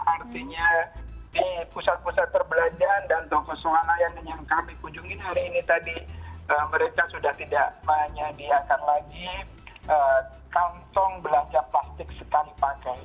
artinya di pusat pusat perbelanjaan dan toko swana yang kami kunjungi hari ini tadi mereka sudah tidak menyediakan lagi kantong belanja plastik sekali pakai